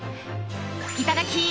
いただき！